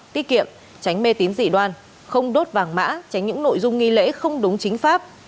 tiết kiệm tránh mê tín dị đoan không đốt vàng mã tránh những nội dung nghi lễ không đúng chính pháp